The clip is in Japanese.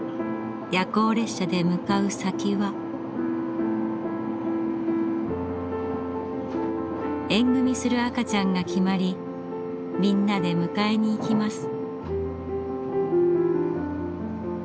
夜行列車で向かう先は縁組する赤ちゃんが決まりみんなで迎えに行きます。